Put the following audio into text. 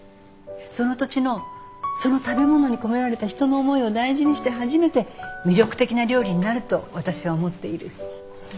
その土地のその食べ物に込められた人の思いを大事にして初めて魅力的な料理になると私は思っている。